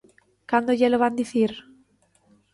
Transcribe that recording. ¿Cando llelo van dicir?